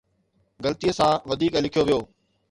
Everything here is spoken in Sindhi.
غلطيءَ سان وڌيڪ لکيو ويو